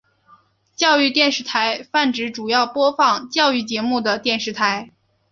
教育电视台泛指主要播放教育节目的电视台。